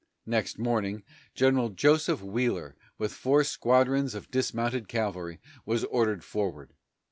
Next morning, General Joseph Wheeler, with four squadrons of dismounted cavalry, was ordered forward.